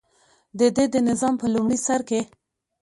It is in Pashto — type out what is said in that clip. دده د نظام په لومړي سر کې.